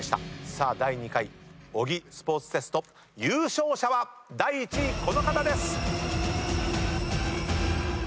さあ第２回小木スポーツテスト優勝者は⁉第１位この方です！